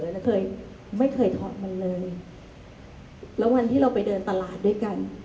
แล้วเคยไม่เคยไม่เคยทอดมันเลยแล้ววันที่เราไปเดินตลาดด้วยกัน